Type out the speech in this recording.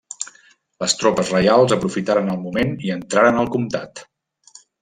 Les tropes reials aprofitaren el moment i entraren al comtat.